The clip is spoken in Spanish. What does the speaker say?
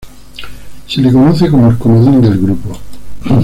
Se le conoce como el "comodín" del grupo.